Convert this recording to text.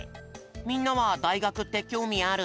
みんなはだいがくってきょうみある？